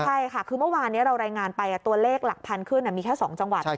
ใช่ค่ะคือเมื่อวานนี้เรารายงานไปตัวเลขหลักพันธุ์ขึ้นมีแค่๒จังหวัด